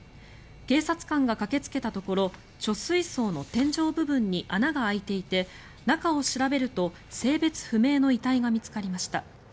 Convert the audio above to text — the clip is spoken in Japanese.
警察官が駆けつけたところ貯水槽の天井部分に穴が開いていて中を調べると、性別不明の遺体が見つかりました。